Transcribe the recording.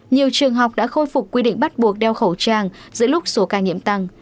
nhiều trường học đã khôi phục quy định bắt buộc đeo khẩu trang giữa lúc số ca nhiễm tăng